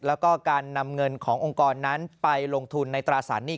แล้วก็การนำเงินขององค์กรนั้นไปลงทุนในตราสารหนี้